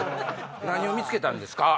何を見つけたんですか？